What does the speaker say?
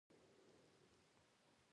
ويې ويل شابه دا واله.